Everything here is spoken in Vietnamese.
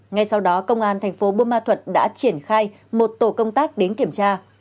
ngay sau đó công an thành phố bô ma thuật đã triển khai một tổ công tác đến kiểm tra